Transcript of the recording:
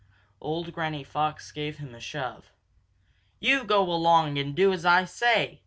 Old Granny Fox gave him a shove. "You go along and do as I say!"